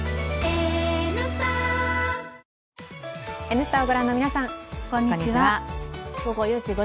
「Ｎスタ」をご覧の皆さん、こんにちは。